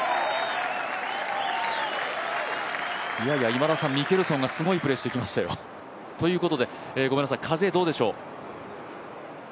今田さん、ミケルソンがすごいプレーをしてきましたよ。ということでごめんなさい、風どうでしょう。